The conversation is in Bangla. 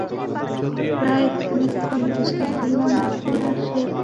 প্রথম খানিকক্ষণ বুঝতেই পারল না, সে কোথায় আছে।